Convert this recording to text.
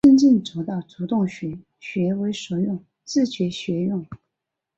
真正做到主动学、学为所用、自觉学用